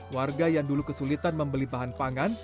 warga yang dulu kesulitan membeli bahan pangan